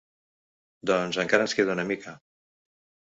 Doncs encara ens queda una mica.